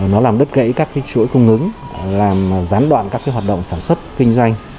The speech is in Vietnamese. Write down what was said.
nó làm đứt gãy các chuỗi cung ứng làm gián đoạn các hoạt động sản xuất kinh doanh